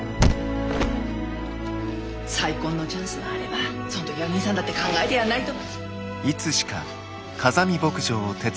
再婚のチャンスがあればそん時は兄さんだって考えてやんないと。